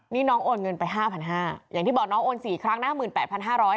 นี่น้องโอนเงินไป๕๕๐๐อย่างที่บอกน้องโอน๔ครั้งด้วยครั้ง๕๘๕๐๐อ่ะ